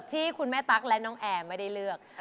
ที่คุณแม่ตั๊กและน้องแอร์ไม่ได้เลือก